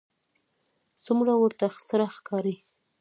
څومره ورته سره ښکاري